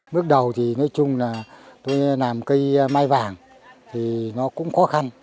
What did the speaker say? bước đầu thì nói chung là tôi làm cây mai vàng thì nó cũng khó khăn